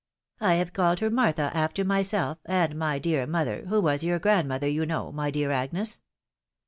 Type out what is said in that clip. I have called her Martha after myself, and my dear mother, who was your grandmother, you know, my dear Agnes.